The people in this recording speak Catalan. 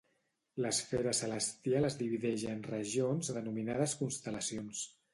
L'esfera celestial es divideix en regions denominades constel·lacions.